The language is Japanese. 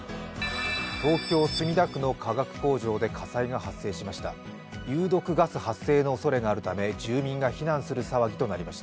東京・墨田区の化学工場で火災が発生しました。